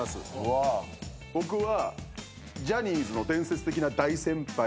僕は。